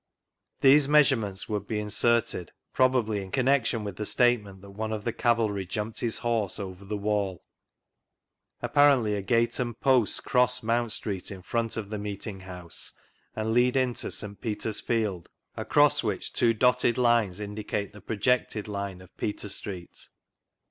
These measurements would be inserted, probably, in connec tion with the statement that one of the Cavalry jumped his horse over this wall. Apparently a gate and posts cross Mount Street in front of the Meeting House, and lead into " St. Peter's Field," across which two dotted tines indicate the projecled line of Peter Street.